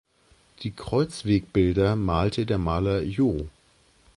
Die Kreuzwegbilder malte der Maler Joh.